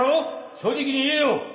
正直に言えよ。